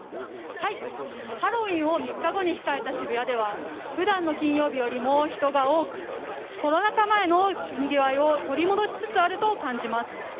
ハロウィーンを３日後に控えた渋谷では普段の金曜日よりも人が多くコロナ構えのにぎわいを取り戻しつつあると感じます。